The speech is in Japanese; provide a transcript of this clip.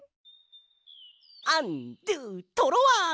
アンドゥトロワ！